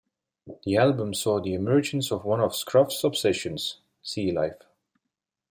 The album saw the emergence of one of Scruff's obsessions - sea-life.